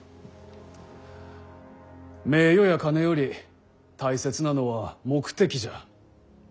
名誉や金より大切なのは目的じゃ。